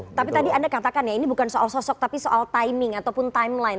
oke tapi tadi anda katakan ya ini bukan soal sosok tapi soal timing ataupun timeline